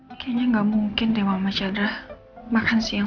ih jangan dibuang mas ini mahal sayang